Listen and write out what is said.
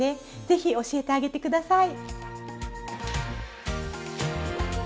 ぜひ教えてあげて下さい。